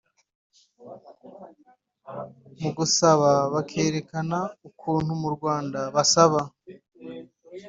mu gusaba bakerekana ukuntu mu Rwanda basaba